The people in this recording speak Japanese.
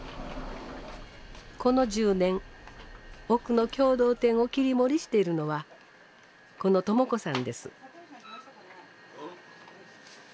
この１０年奥の共同店を切り盛りしているのはこの朝子さんです。